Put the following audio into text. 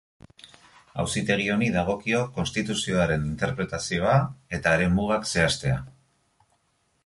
Auzitegi honi dagokio Konstituzioaren interpretazioa eta haren mugak zehaztea.